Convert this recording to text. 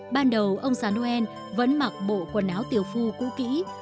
ban đầu ông già noel vẫn mặc bộ quần áo tiều phu cũ kĩ